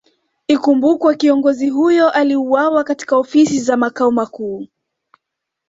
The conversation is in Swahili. Ikumbukwe kiongozi huyo aliuwawa katika Ofisi za Makao Makuu